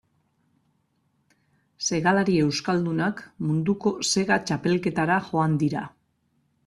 Segalari euskaldunak munduko sega txapelketara joan dira.